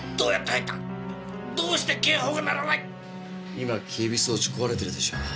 今警備装置壊れてるでしょう？